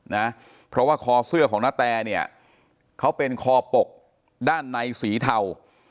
นะเพราะว่าคอเสื้อของนาแตเนี่ยเขาเป็นคอปกด้านในสีเทา